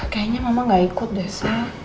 kayaknya mama nggak ikut deh sa